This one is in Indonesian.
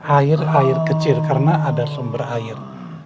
air air kecil karena ada sumber air